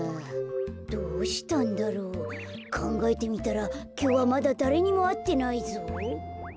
どうしたんだろう？かんがえてみたらきょうはまだだれにもあってないぞ。